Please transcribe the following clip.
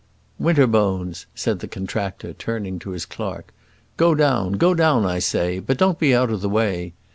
"Winterbones," said the contractor, turning to his clerk, "go down, go down, I say; but don't be out of the way.